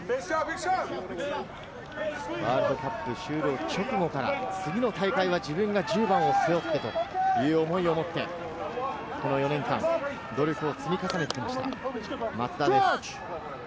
ワールドカップ終了直後から次の大会は自分が１０番を背負ってという思いを持って、この４年間、努力を積み重ねてきました、松田です。